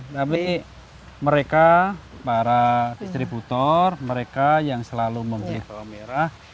tapi mereka para distributor mereka yang selalu membeli bawang merah